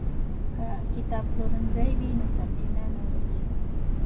که کتابپلورنځی وي نو سرچینه نه ورکېږي.